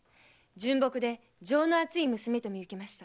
純朴で情の厚い娘と見受けました。